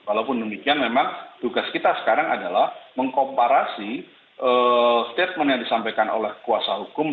walaupun demikian memang tugas kita sekarang adalah mengkomparasi statement yang disampaikan oleh kuasa hukum